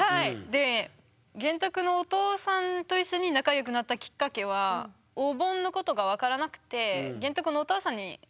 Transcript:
で玄徳のお父さんと一緒に仲良くなったきっかけはお盆のことが分からなくて玄徳のお父さんに聞いたんですよ。